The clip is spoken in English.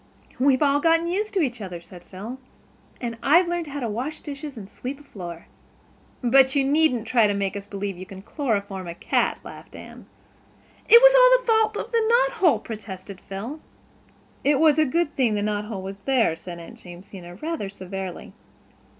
"We've all got used to each other," said Phil. "And I've learned how to wash dishes and sweep a floor." "But you needn't try to make us believe you can chloroform a cat," laughed Anne. "It was all the fault of the knothole," protested Phil. "It was a good thing the knothole was there," said Aunt Jamesina rather severely.